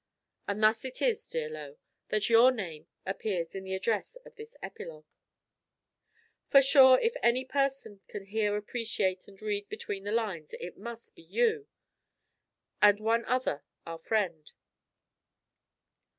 And thus it is, dear Low, that your name appears in the address of this epilogue. For sure, if any person can here appreciate and read between the lines, it must be you and one other, our friend.